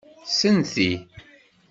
Senti!